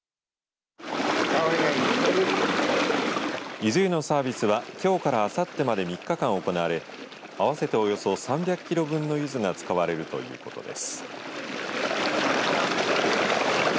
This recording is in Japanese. ゆず湯のサービスはきょうからあさってまで３日間行われ合わせておよそ３００キロ分のゆずが使われるということです。